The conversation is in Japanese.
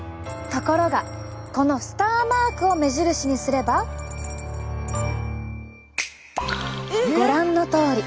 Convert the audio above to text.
ところがこのスターマークを目印にすればご覧のとおり。